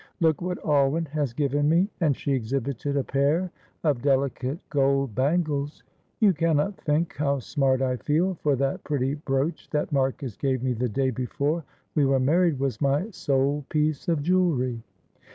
"Look what Alwyn has given me," and she exhibited a pair of delicate gold bangles. "You cannot think how smart I feel, for that pretty brooch that Marcus gave me the day before we were married was my sole piece of jewelry."